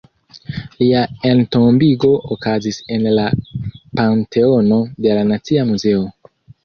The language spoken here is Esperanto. Lia entombigo okazis en la Panteono de la Nacia Muzeo.